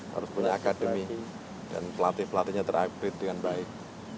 harus punya akademi dan pelatih pelatihnya terupdate dengan baik